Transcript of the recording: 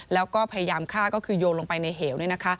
แล้วก็พยายามฆ่าก็คือโยนลงไปในเหว